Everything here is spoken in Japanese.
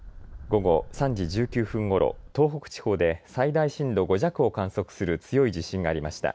午後３時１９分ごろ、東北地方で最大震度５弱を観測する強い地震がありました。